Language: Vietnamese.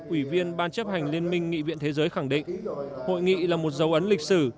ủy viên ban chấp hành liên minh nghị viện thế giới khẳng định hội nghị là một dấu ấn lịch sử